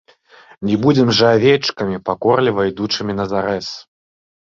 Не будзем жа авечкамі, пакорліва ідучымі на зарэз!